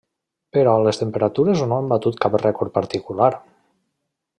Però les temperatures no han batut cap rècord particular.